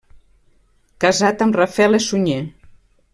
Casat amb Rafela Sunyer.